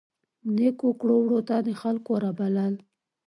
نیکو کړو وړو ته د خلکو رابلل.